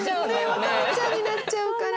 ワカメちゃんになっちゃうから。